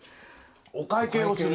お会計をする？